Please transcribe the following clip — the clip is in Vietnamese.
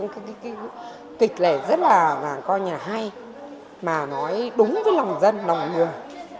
cái kịch lệ rất là coi như là hay mà nói đúng với lòng dân lòng người